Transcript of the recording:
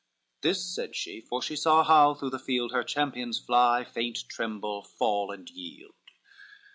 This said she, for she saw how through the field Her champions fly, faint, tremble, fall and yield.